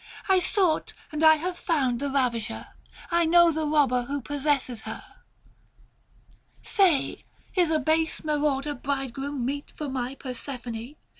I sought and I have found the ravisher, I know the robber who possesses her. 670 Say, is a base marauder bridegroom meet For my Persephone